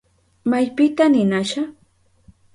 ¿Maypita ninasha?